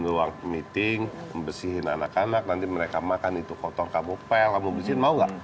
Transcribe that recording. ruang meeting membersihin anak anak nanti mereka makan itu kotor kamu pel kamu bersihin mau gak